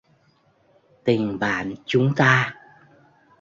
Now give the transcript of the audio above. Tình bạn chúng ta